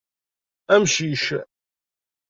Amcic!